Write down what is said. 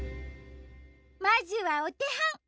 まずはおてほん！